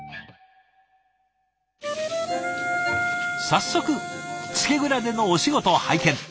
早速漬け蔵でのお仕事拝見。